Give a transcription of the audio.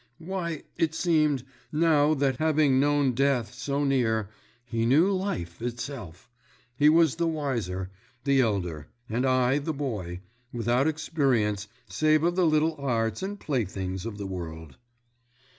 Why, it seemed, now, that, having known Death so near, he knew Life itself—he was the wiser, the elder; and I the boy, without experience save of the little arts and playthings of the world....